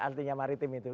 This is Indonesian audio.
antinya maritim itu